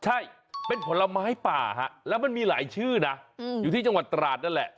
ใช่เป็นผลไม้ป่าฮะแล้วมันมีหลายชื่อนะอยู่ที่จังหวัดตราดนั่นแหละ